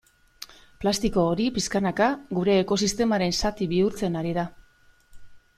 Plastiko hori pixkanaka gure ekosistemaren zati bihurtzen ari da.